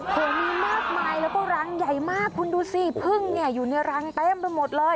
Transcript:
โอ้โหมีมากมายแล้วก็รังใหญ่มากคุณดูสิพึ่งเนี่ยอยู่ในรังเต็มไปหมดเลย